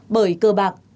bởi cơ bạc